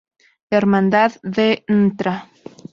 Hermandad de Ntra.